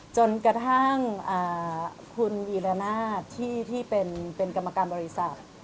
จนกระทั่งคุณวีรนาศที่เป็นกรรมการบริษัท